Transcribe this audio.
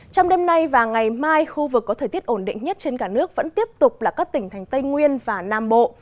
trong đêm nay và ngày mai khu vực có thời tiết ổn định nhất trên cả nước vẫn tiếp tục là các tỉnh thành tây nguyên và nam bộ